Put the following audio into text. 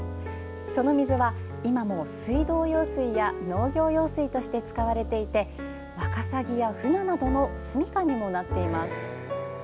その水は、今も水道用水や農業用水として使われていてワカサギやフナなどのすみかにもなっています。